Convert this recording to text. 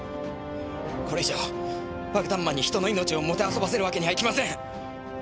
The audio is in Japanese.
これ以上爆弾魔に人の命をもてあそばせるわけにはいきません！